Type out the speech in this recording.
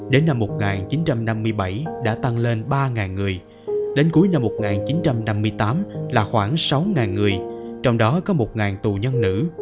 đến năm một nghìn chín trăm năm mươi bảy đã tăng lên ba người đến cuối năm một nghìn chín trăm năm mươi tám là khoảng sáu người trong đó có một tù nhân nữ